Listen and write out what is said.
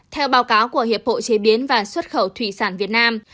theo báo cáo của hiệp hội chế biến và xuất khẩu thủy sản việt nam